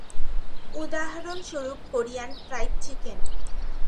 উদাহরণস্বরূপ- Korean fried chicken.